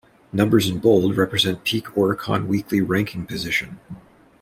Numbers in bold represent peak Oricon Weekly Ranking position.